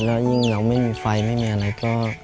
แล้วยิ่งเราไม่มีไฟไม่มีอะไรก็